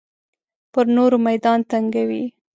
پر نورو میدان تنګوي.